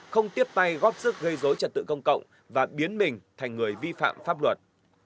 không tiếp tay góp sức gây dối trật tự công cộng và biến mình thành người vi phạm pháp luật